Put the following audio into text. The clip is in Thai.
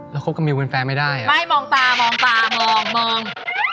แล้วคบกับมิวเป็นแฟนไม่ได้ไม่มองตามองตามองมอง